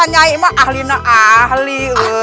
nyai mah ahli ahli